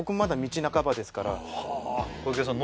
小池さん